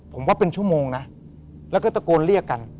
ผมว่าเป็นชั่วโมงนะแล้วก็ตะโกนเรียกกัน